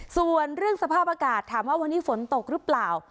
ส่วนเรื่องสภาพอากาศถามว่าวันนี้ฝนตกหรือเปล่า